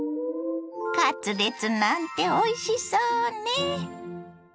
カツレツなんておいしそうね。